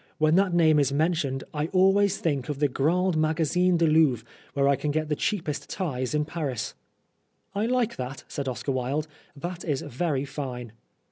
When that name is mentioned, I always think of the Grands Magasins du Louvre, where I can get the cheapest ties in Paris." 23 Oscar Wilde "I like that," said Oscar Wilde; " that is very fine."